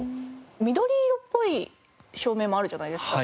緑色っぽい照明もあるじゃないですか。